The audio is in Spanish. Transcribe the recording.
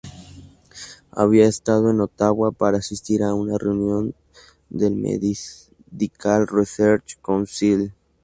Había estado en Ottawa para asistir a una reunión del Medical Research Council.